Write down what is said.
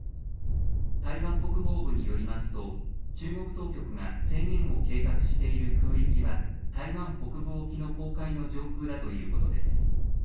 台湾国防部によりますと、中国当局が、制限を計画している空域は、台湾北部沖の公海の上空だということです。